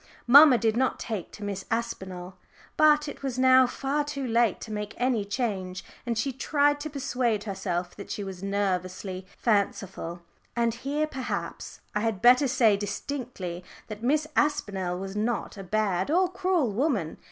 Mamma did not take to Miss Aspinall. But it was now far too late to make any change, and she tried to persuade herself that she was nervously fanciful. And here, perhaps, I had better say distinctly, that Miss Aspinall was not a bad or cruel woman.